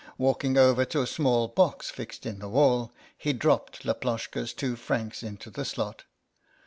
Walking over to a small box fixed in the wall, he dropped Laploshka's two francs into the slot.